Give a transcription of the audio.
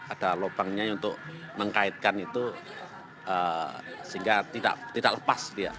ada lubangnya untuk mengkaitkan itu sehingga tidak lepas dia